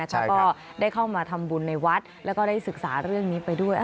แล้วก็ได้เข้ามาทำบุญในวัดแล้วก็ได้ศึกษาเรื่องนี้ไปด้วย